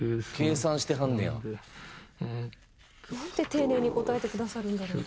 丁寧に答えてくださるんだろう。